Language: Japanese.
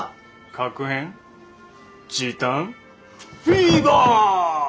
確変時短フィーバー！